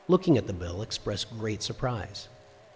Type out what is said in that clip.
— looking at the bill expressed great sur prise.